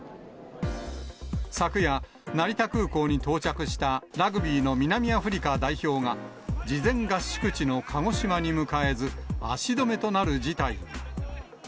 昨夜、成田空港に到着したラグビーの南アフリカ代表が、事前合宿地の鹿児島に向かえず、足止めとなる事態に。